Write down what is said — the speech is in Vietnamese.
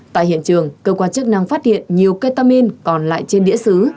tại hiện trường cơ quan chức năng phát hiện nhiều ketamin còn lại trên đĩa xứ